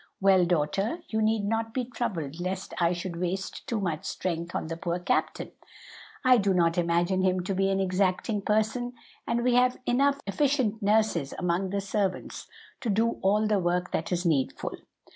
Well, daughter, you need not be troubled lest I should waste too much strength on the poor captain. I do not imagine him to be an exacting person, and we have enough efficient nurses among the servants to do all the work that is needful.